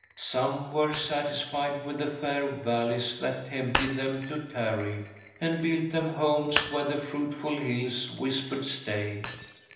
Some were satisfied with the fair valleys that tempted them to tarry, and built them homes where the fruitful hills whispered stay.